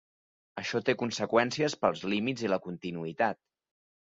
Això té conseqüències pels límits i la continuïtat.